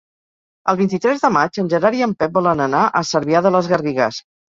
El vint-i-tres de maig en Gerard i en Pep volen anar a Cervià de les Garrigues.